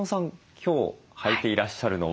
今日履いていらっしゃるのは？